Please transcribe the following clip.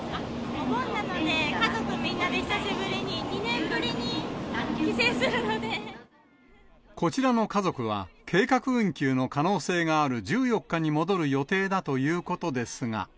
お盆なので、家族みんなで久しぶりに、こちらの家族は、計画運休の可能性がある１４日に戻る予定だということですが。